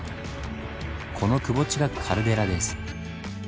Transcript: このくぼ地がカルデラです。